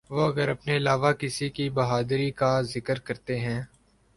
وہ اگر اپنے علاوہ کسی کی بہادری کا ذکر کرتے ہیں۔